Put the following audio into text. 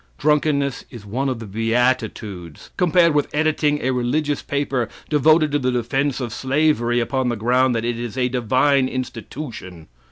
Drunkenness is one of the beatitudes, compared with editing a religious paper devoted to the defense of slavery upon the ground that it is a divine institution.